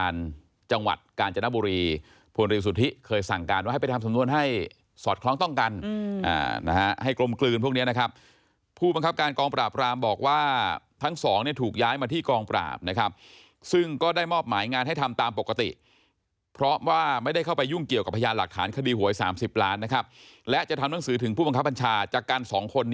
งวดให้สอดคล้องต้องกันอืมอ่านะฮะให้กลมกลืนพวกเนี้ยนะครับผู้บังคับการกองปราบรามบอกว่าทั้งสองเนี้ยถูกย้ายมาที่กองปราบนะครับซึ่งก็ได้มอบหมายงานให้ทำตามปกติเพราะว่าไม่ได้เข้าไปยุ่งเกี่ยวกับพยานหลักฐานคดีหวยสามสิบล้านนะครับและจะทำหนังสือถึงผู้บังคับพัญชาจากการสองคนน